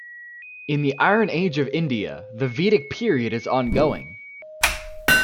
In the Iron Age in India, the Vedic period is ongoing.